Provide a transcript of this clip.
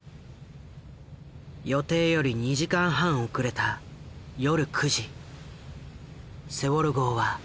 予定より２時間半遅れた夜９時セウォル号は出航した。